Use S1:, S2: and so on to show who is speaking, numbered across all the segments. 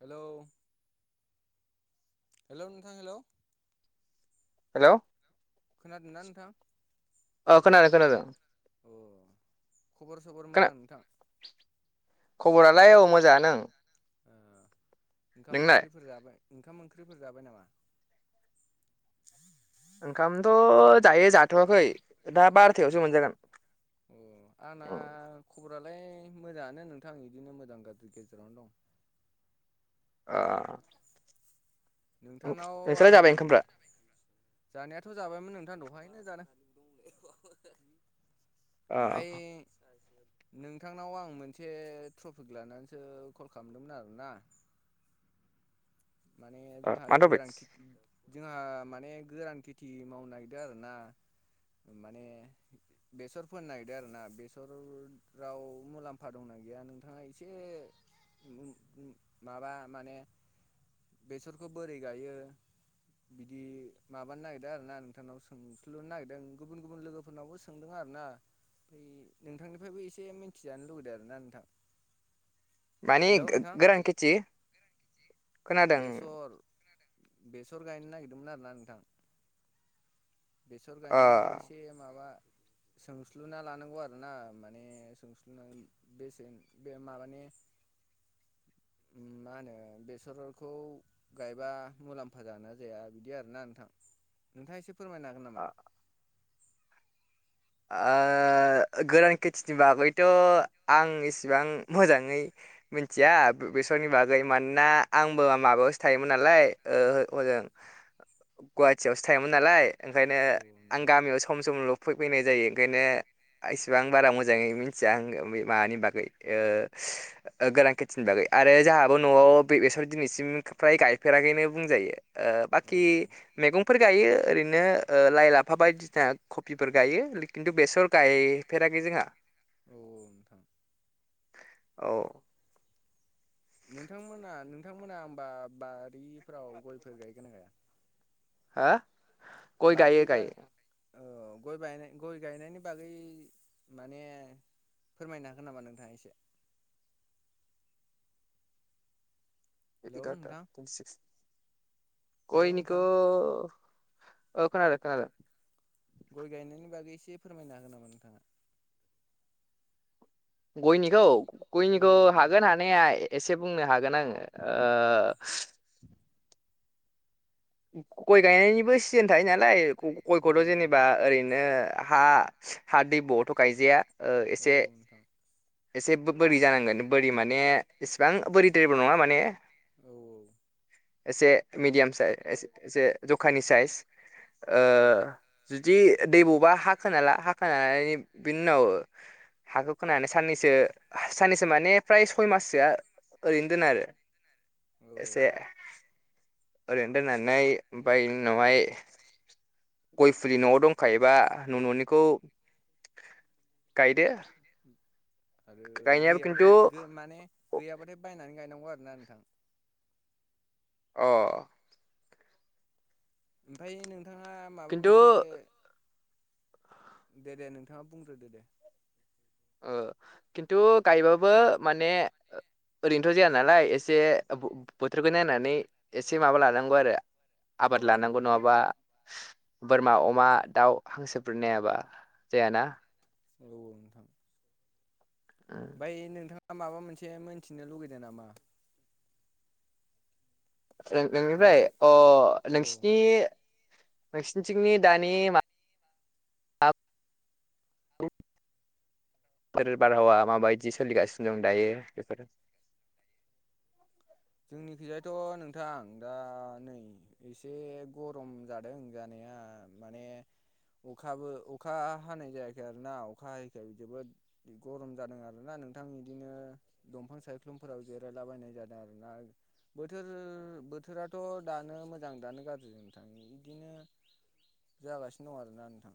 S1: Hello hello नोंथां hello
S2: hello
S1: खोनादों ना नोंथां
S2: अ खोनादों खोनादों
S1: अ खबर सबर
S2: खोना
S1: मोजां नोंथां
S2: खबरालाय औ मोजाङानो
S1: ओ ओंखाम
S2: नोंनाय
S1: ओंख्रिफोर जाबाय ओंखाम ओंख्रिफोर जाबाय नामा
S2: ओंखामथ' दायो जाथ'वाखै दा
S1: अ
S2: बार'थायावसो मोनजागोन
S1: अ आंना खबरालाय मोजाङानो नोंथां बिदिनो मोजां गाज्रि गेजेरावनो दं
S2: आ
S1: नोंथांनाव आं
S2: ओंखामफ्रा
S1: जानायाथ' जाबायमोन नों थां दहायनो जादों
S2: ओ
S1: ओमफाय नोंथांनाव आं मोनसे टपिक लानानैसो कल खालामदोंमोन आरोना [inaudible] माने जोंहा
S2: मा टपिक
S1: गोरान खेथि जोंहा माने गोरान खेथि मावनो नागिरदों आरो ना माने बेसर फोनो नागिरदों आरो ना बेसराव मुलाम्फा दंना गैया नोंथाङा एसे माबा माने बेसरखौ बोरै गायो बिदि माबानो नागिरदों आरो ना नोंथांनाव सोंथुल'नो नागिरदों गुबुन गुबुन लोगोफोरनावबो सोंदों आ रोना ओमफ्राय नोंथांनिफ्रायबो एसे मिथिजानो लुुबैदों आरो ना नोंथां
S2: माने
S1: हेलौ नोंथां
S2: गोरान खिथि खोना
S1: बेसर बेसर गायनो नागिरदोंमोन आरोना नोंथां बेसर
S2: ओ
S1: गायनायाव एसे माबा सोंस्लुना लानांगौ आरोना माने सोंस्लुना बेसे बे माबानि उ मा होनो बेसरखौ गायबा मुलाम्फा जागोनना जाया बिदि आरोना नोंथां नोंथाङा एसे फोरमायनो हागोन नामा
S2: ओ गोरान खेथिनि बागैथ' आं इसेबां मोजाङै मिथिया बेसरनि बागै मानोना आंबो माबायावसो थायोमोन नालाय ओ ओजों गुवाटियावसो थायोमोन नालाय ओंखायनो
S1: औ
S2: आं
S1: नोंथां
S2: गामियाव सम समल' फै जायो ओंखायनो इसेबांं बारा मोजाङै मिथिया आं माबानि बागै ओ गोरान खेथिनि बागै आरो जोंहाबो न'आव बेसर दिनैसिम फ्राय गायफेराखैनो बुंजायो ओ
S1: औ
S2: बाखि मैगंफोर गायो ओरैनो लाइ लाफा बायदिसिना खबि फोर गायो खिन्थु बेसर गायफेराखै जोंहा
S1: औ नोंथां
S2: औ
S1: नोंथांमोना नोंथांमोना होमबा बारिफोराव गयफोर गायगोन गाया
S2: हा गय
S1: बारि
S2: गायो
S1: बा
S2: गायो
S1: औ गय गय गायनायनि बागै माने फोरमायनो हागोन नामा नोंथाङा एसे हेलौ नोंथां
S2: [unintelligible]
S1: हेलौ
S2: गय निखौ
S1: नोंथां
S2: ओ खोनादों खोनादों
S1: गय गायनायनि बागै एसे फोरमायनो हागोन नामा नोंथाङा
S2: गयनिखौ
S1: औ
S2: गयनिखौ
S1: नोंथां
S2: हागोन हानाया एसे बुंनो हागोन आङो
S1: औ
S2: आओ गय गायनायनिबो सिजोन थायो नालाय
S1: औ
S2: गयखौथ' जेनेबा
S1: नोंथां
S2: ओरैनो हा हा दै ब'आवथ' गायजाया
S1: औ नोंथां औ
S2: एसे एसे बोरि जानांगोन बोरि माने इसेबां बोरि बो नङा माने
S1: औ
S2: एसे मिडियाम साइ एसे जखानि साइज ओ
S1: औ
S2: जुदि दैबावबा हा खोनाला हाखोना लाना बिनि उनाव हाखौ खोनानै साननैसो साननैसो माने फ्राय सय माससोआ ओरैनो दोनो आरो
S1: औ
S2: एसे ओरै सोनारनाय बाय इनि उनावहाय गइ फुलि नवाव दंखायोबा न'निखौ गायदो
S1: आरो
S2: गायनायाबो खिन्थु
S1: गैयाबाथाय माने गैयाबाथाय बायनानै गायनां गौ आरो ना नोंथां
S2: अ
S1: ओमफ्राय नोंथाङा माबा
S2: खिन्थु
S1: मोनसे दे दे नोंथाङा बुंग्रोदो दे
S2: ओ खिन्थु गायबाबो माने ओरैनोथ' जाया नालाय एसे बोथोरखौ नायनानै एसे माबा लानांगौ आरो
S1: औ
S2: आबाद
S1: औ
S2: लानांगौ
S1: नोंथां
S2: नङाबा बोरमा अमा दाउ हांसोफोर नायाबा जायाना
S1: औ औ नोंथां ओमफ्राय नोंथाङा माबा मोनसे मोनथिनो लुगैदों नामा
S2: ओ
S1: हेल'
S2: नोंनिफ्राय अ
S1: औ
S2: नोंसिनि नोंसिनिथिंनि दानि मा [unintelligible] [unintelligible] बारहावा माबायदि सोलिगासिनो दं दायो बेफोर
S1: [inaudible] जोंनिखैजायाथ' नोंथां दा नै एसे गरम जादों जानाया ओ माने अखाबो अखा हानाय जायाखै आरोना अखा हायैखाय जोबोद गरम जादों आरोना नोंथां बिदिनो दंफां सायख्लुमफोराव जिरायलाबायनाय जादों आरोना बोथोर बोथोराथ' दानो मोजां दानो गाज्रि थाङो बिदिनो जागासिनो दं आरोना नोंथां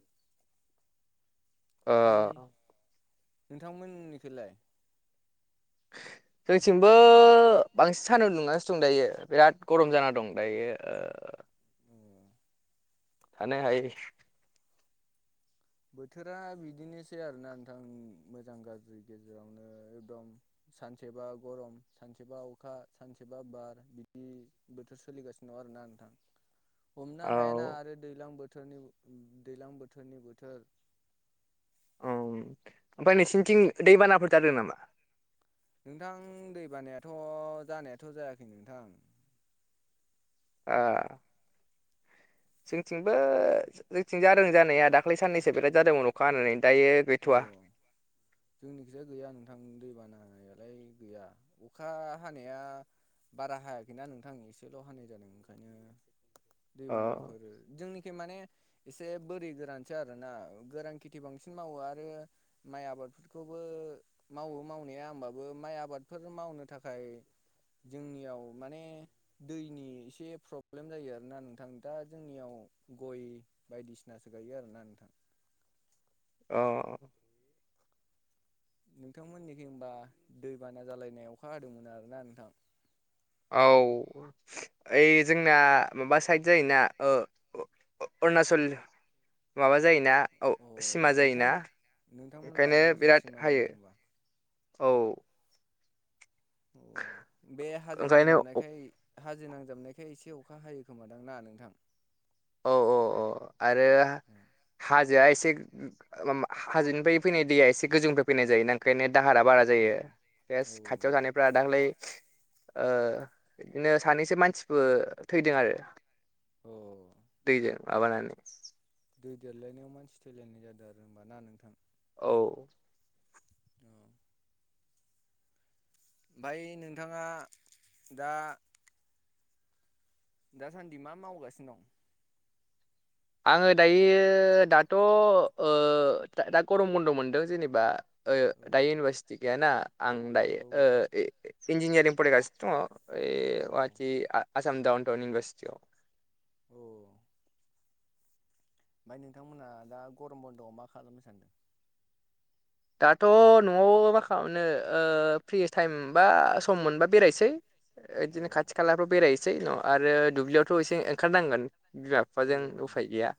S1: ओमफाय
S2: अ
S1: नोंथांमोननिखैलाय
S2: जोंथिंबो बांसिन सानदुं दुंगासि दं दायो बिराद गरम जाना दं दायो थानो हायि
S1: बोथोरा बिदिनोसै आरोना नोंथां मोजां गाज्रि गेजेरावनो एकदम सानसेबा गरम सानसेबा अखा सानसेबा बार बिदि बोथोर सोलिगासिनो आरो ना नोंथां हमनो
S2: औ
S1: हायाना आरो दैलां बोथनि दैलां बोथोरनि बोथोर
S2: औ ओमफ्राय नोंसिंनिथिं दैबानाफोर जादों नामा?
S1: नोंथां दै बानायाथ' जानायाथ' जायाखै नोंथां
S2: ओ जोंथिंबो जोंथिं जादों जानाया दाख्लै साननैसो बिराद जादोंमोन अखा हानानै दायो
S1: अ
S2: गैथ'वा
S1: जोंनिखिजाय गैया नोंथां दै बाना हानायालाय गैया अखा हानायालाया बारा हायाखैना नोंथां एसेल' हानाय जादों ओंखायनो
S2: अ
S1: दैबानाफोर जोंनि जोंनिखि माने एसे बोरि गोरानसो आरोना गोरान खेथि बांसिन मावो आरो माइ आबादफोरखौबो मावो मावनाया होमबाबो माइ आबादफोर माव बुंनो थाखाय जोंनियाव माने दैनि एसे प्रब्लेम जायो आरोना नोंथां दा जोंनियाव गइ बायदिसिनासो गायो आरोना नोंथां
S2: औ
S1: नोंथांमोननिखि होमबा दैबाना जालायनाय अखा हादोंमोन आरोना नोंथां
S2: औ ओइ जोंना माबा साइड जायोना ओ अ-अरुणचल माबा जायोना औ
S1: अ
S2: सिमा
S1: नोंथां
S2: जायोना
S1: नोंथांमोना
S2: ओंखायनो
S1: अरुणाचल
S2: बिराद
S1: सिमा
S2: हायो।
S1: जायो होमबा
S2: औ
S1: अ बे हाजो
S2: ओंखायनो औ
S1: नांजाबनायखाय हाजो नांजाबनायखाय एसे अखा हायो खोमादां ना नोंथां?
S2: औ औ औ आरो
S1: औ
S2: हाजोआ एसे गो-गो-मा-हाजोनिफ्राय फैनाय दैया एसे गोजौनिफ्राय फैनाय जायो ना ओंखायनो दाहारा बारा
S1: औ
S2: जायो बे
S1: औ
S2: खाथियाव
S1: नोंथां
S2: थानायफ्रा दाख्लै ओ बिदिनो सानैसो मानसिबो थैदों आरो
S1: औ
S2: दैजों माबानानै
S1: दै देरलायनायाव मानसि थैलायनाय जादों आरो होमबा ना नोंथां
S2: औ
S1: औ ओमफ्राय नोंथाङा दा दासान्दि मा मावगासिनो दं?
S2: आङो दायो दाथ' ओ दा-दा गरम बन्द' मोनदों जेनेबा ओ
S1: औ
S2: दायो इउनिभारसिटि गैयाना आं दायो
S1: औ
S2: ओ इन्जिनियारिं फरायगासिनो दङ'। ए
S1: औ
S2: वाति आसाम दाउन टउन इउनिभारसिटियाव
S1: औ ओमफ्राय नोंथांमोनहा दा गरम बन्द'आव मा खालामनो सानदों?
S2: दाथ' न'आव मा खालामनो ओ फ्रि टाइम बा सम मोनबा बेरायसै। ओ
S1: औ
S2: इदिनो खाथि खालाफ्राव बेरायसै न आरो दुब्लियावथ' एसे ओंखारनांगोन बिमा
S1: औ
S2: बिफाजों
S1: औ
S2: उफाय
S1: नोंथां
S2: गैया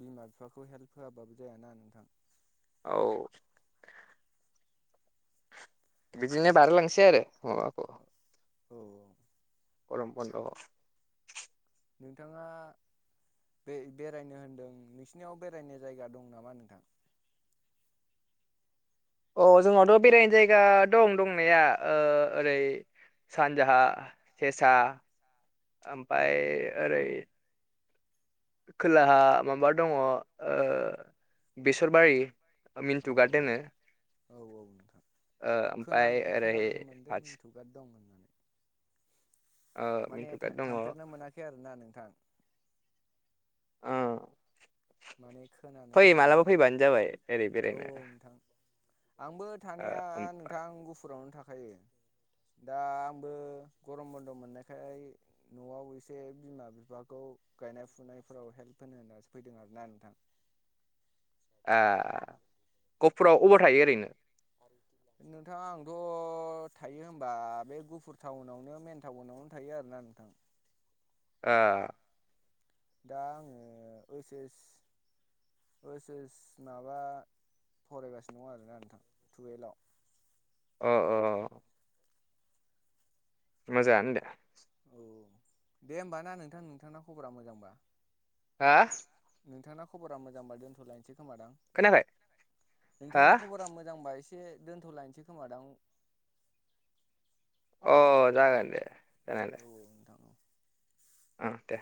S1: बिमा बिफाखौ हेल्प होयाबाबो जायाना नोंथां
S2: औ बिदिनो बारहो लांसे आरो माबाख
S1: औ औ
S2: गरम बन्द
S1: नोंथाङा बे-बेरायनो होनदों नोंसिनियाव बेरायनाय जायगा दं नामा नोंथां?
S2: अ जोंनावथ' बेरायनो जायगा दं दंनाया ओरै सानजाहा सेसा
S1: औ
S2: ओमफाय ओरै खोलाहा माबा दङ' ओ बेसरबारि
S1: औ
S2: मिन्थु गात होनो
S1: औ औ नोंथां
S2: ओ ओमफाय ओरै
S1: खोना-खोनानो मोनदों
S2: फारसे
S1: मिनथुगात दं होननानै
S2: ओ
S1: माने
S2: मिन्टुका दङ ओ
S1: थां-थांफेरनो मोनाखै आरोना नोंथां
S2: औ
S1: माने खोनानोसो मोनदों आरो
S2: जाबाय ओरै
S1: औ
S2: बेरायनो
S1: औ नोंथां आंबो
S2: ओ
S1: थानाया
S2: ओम
S1: नोंथां गुफुरावनो थाखा खायो दा आंबो गरम बन्द मोननायखाय न'आव एसे बिमा बिफाखौ गानाय फुनायफोराव हेल्प होनो होनासो फैदों आरोना नोंथां
S2: आ गहपुराव अबार थायो ओरैनो
S1: [inaudible] नोंथाङा आंथ' थायो होनबा बे गुफुर टाउनावनो मेन टाउनावनो थायो आरो [inaudible]
S2: ओ
S1: दा आङो ओइस एस ओइस एस माबा फरायगासिनो दं आरोना नोंथां टुवेल्भआव
S2: ओ ओ मोजांआनो दे
S1: औ दे होमबा ना नोंथां नोंथांना खबरा मोजांबा
S2: हा
S1: नोंथाङा खबरा मोजांबा दोन्थ'लायनोसै खोमादां
S2: खोनायाखै हा
S1: नोंथां खबरा मोजांबा एसे एसे दोनथ'लायनोसै खोमा दां
S2: अ जागोन दे जानायालाय
S1: औ नोंथां औ
S2: आ दे